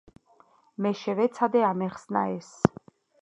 მე შევეცადე ამეხსნა ეს.